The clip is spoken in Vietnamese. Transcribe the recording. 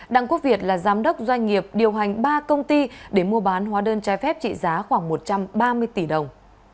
đặng quốc việt là giám đốc doanh nghiệp điều hành ba công ty để mua bán hóa đơn trai phép trị giá khoảng một trăm ba mươi tỷ đồng